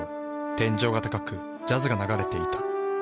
天井が高くジャズが流れていた。